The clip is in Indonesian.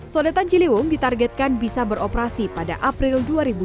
sodetan ciliwung ditargetkan bisa beroperasi pada april dua ribu dua puluh